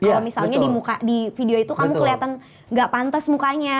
kalau misalnya di video itu kamu kelihatan gak pantas mukanya